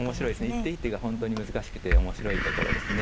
一手一手が本当に難しくて面白いところですね。